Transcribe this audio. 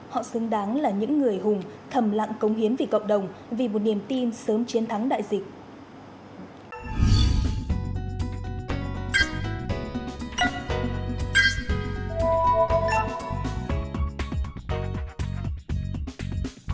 họ xứng đáng là những người hùng thầm lặng công hiến vì cộng đồng vì một niềm tin sớm chiến thắng đại dịch